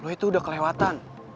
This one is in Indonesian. lo itu udah kelewatan